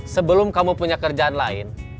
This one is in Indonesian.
sebelum kamu punya kerjaan lain